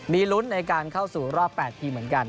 มีลุ้นในการเข้าสู่รอบ๘ทีมเหมือนกัน